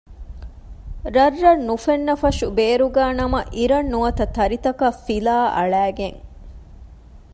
ރަށްރަށް ނުފެންނަފަށު ބޭރުގައި ނަމަ އިރަށް ނުވަތަ ތަރިތަކަށް ފިލާ އަޅައިގެން